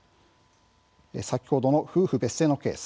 先ほどの夫婦別姓のケース